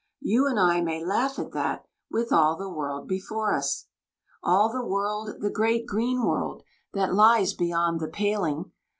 You and I may laugh at that, with all the world before us. All the world, the great green world that lies beyond the paling!